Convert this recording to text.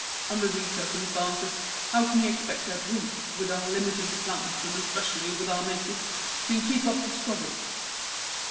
Under these circumstances how can you expect that we, with our limited plant, and especially with our makers, can keep up the struggle?"